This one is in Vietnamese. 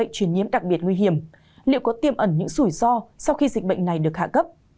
truyền nhiễm đặc biệt nguy hiểm liệu có tiêm ẩn những rủi ro sau khi dịch bệnh này được hạ cấp